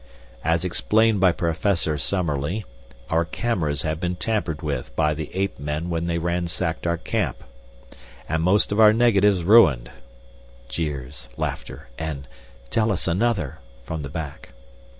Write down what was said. As explained by Professor Summerlee, our cameras have been tampered with by the ape men when they ransacked our camp, and most of our negatives ruined.' (Jeers, laughter, and 'Tell us another!' from the back.)